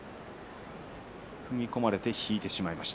踏み込まれて引いてしまいました。